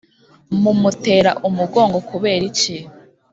mumutera umugongo kubera iki?